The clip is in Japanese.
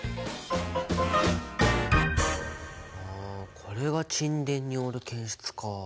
これが沈殿による検出か。